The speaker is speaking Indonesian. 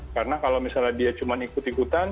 karena kalau misalnya dia cuma ikut ikutan